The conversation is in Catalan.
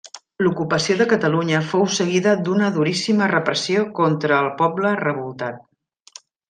L'ocupació de Catalunya fou seguida d'una duríssima repressió contra el poble revoltat.